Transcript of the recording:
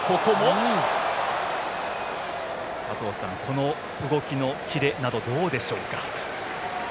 佐藤さん、動きのキレなどどうでしょうか。